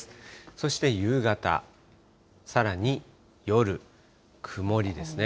そして夕方、さらに夜、曇りですね。